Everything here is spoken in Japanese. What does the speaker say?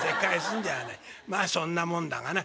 まあそんなもんだがな。